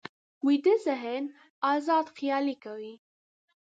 ویده ذهن ازاد خیالي کوي